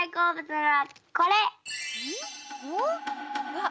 わっ！